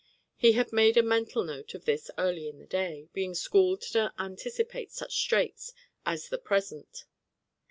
He had made a mental note of this early in the day, being schooled to anticipate such straits as the present.